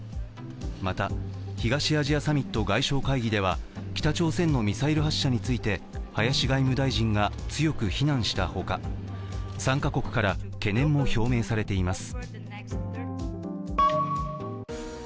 また、東アジアサミット外相会議では北朝鮮のミサイル発射について林外務大臣が強く非難したほか参加国から懸念も表明されています。